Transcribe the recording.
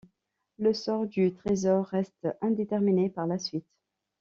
Le sort du trésor reste indéterminé par la suite.